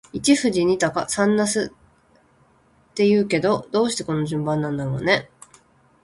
一富士、二鷹、三茄子って言うけど、どうしてこの順番なんだろうね。